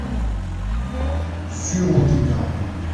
sur out e karen.